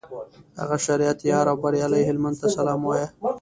هغه شریعت یار او بریالي هلمند ته سلام وایه.